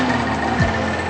ini nya segala